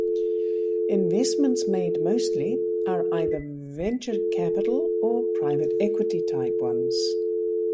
Investments made mostly are either venture capital or private equity type ones.